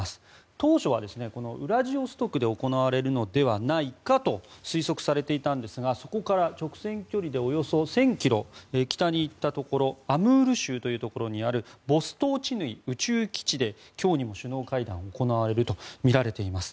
当初はウラジオストクで行われるのではないかと推測されていたんですがそこから直線距離でおよそ１０００ｋｍ北に行ったところアムール州というところにあるボストーチヌイ宇宙基地で今日にも首脳会談が行われるとみられています。